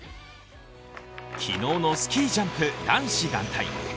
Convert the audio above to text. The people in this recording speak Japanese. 昨日のスキージャンプ男子団体。